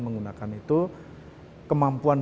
menggunakan itu kemampuan